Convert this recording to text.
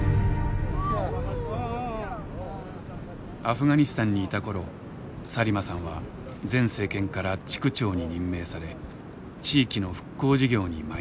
アフガニスタンにいた頃サリマさんは前政権から地区長に任命され地域の復興事業にまい進してきた。